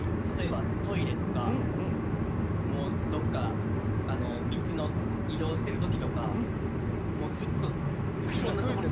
例えばトイレとかもうどっか道の移動してる時とかもうずっといろんな所。